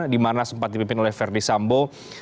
dimana sempat dipimpin oleh verdi sambo